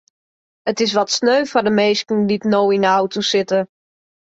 It is wat sneu foar de minsken dy't no yn de auto sitte.